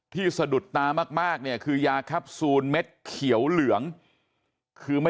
สะดุดตามากเนี่ยคือยาแคปซูลเม็ดเขียวเหลืองคือไม่